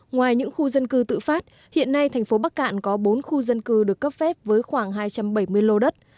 ngoài những khu dân cư tự phát hiện nay thành phố bắc cạn có bốn khu dân cư được cấp phép với khoảng hai trăm bảy mươi lô đất